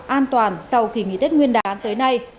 an toàn sau kỳ nghỉ tết nguyên đán tới nay